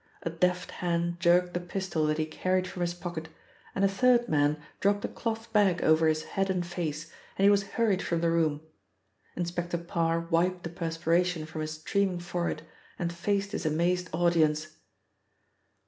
A deft hand jerked the pistol that he carried from his pocket, a third man dropped a cloth bag over his head and face, and he was hurried from the room. Inspector Parr wiped the perspiration from his streaming forehead, and faced his amazed audience.